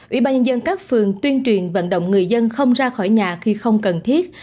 ủy ban nhân các phường tuyên truyền vận động người dân không ra khỏi nhà khi không cần thiết